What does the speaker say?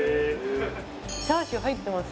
チャーシュー入ってます？